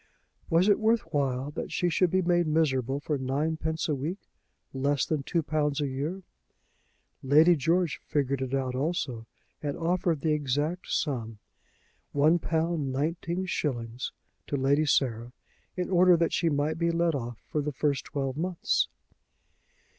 Was it worth while that she should be made miserable for ninepence a week, less than £2 a year? Lady George figured it out also, and offered the exact sum, £1 19_s._, to Lady Sarah, in order that she might be let off for the first twelve months.